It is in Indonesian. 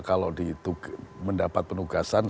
kalau mendapat penugasan